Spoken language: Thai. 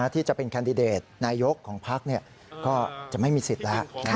ที่จะเป็นแคนดิเดตนายกของพักก็จะไม่มีสิทธิ์แล้ว